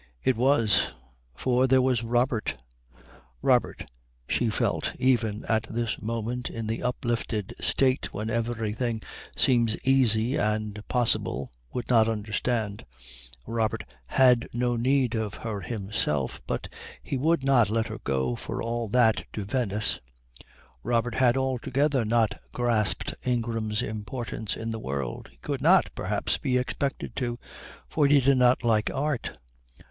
It was. For there was Robert. Robert, she felt even at this moment in the uplifted state when everything seems easy and possible, would not understand. Robert had no need of her himself, but he would not let her go for all that to Venice. Robert had altogether not grasped Ingram's importance in the world; he could not, perhaps, be expected to, for he did not like art.